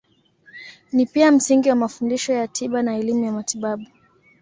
Ni pia msingi wa mafundisho ya tiba na elimu ya matibabu.